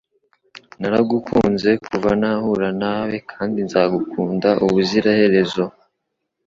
Naragukunze kuva nahura nawe kandi nzagukunda ubuziraherezo.